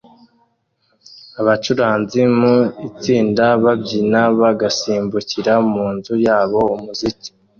Abacuranzi mu itsinda babyina bagasimbukira mu nzu yabo umuziki